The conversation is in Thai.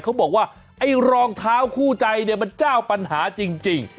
เขาบอกว่าไอ้รองเท้าคู่ใจเนี่ยมันเจ้าปัญหาจริง